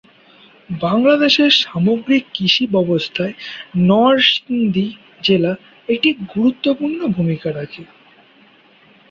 বাংলাদেশের সামগ্রিক কৃষি ব্যবস্থায় নরসিংদী জেলা একটি গুরুত্বপূর্ণ ভূমিকা রাখে।